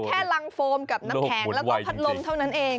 แค่รังโฟมกับน้ำแข็งแล้วก็พัดลมเท่านั้นเอง